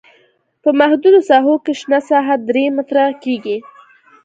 په محدودو ساحو کې شنه ساحه درې متره کیږي